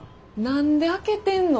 何で開けてんの？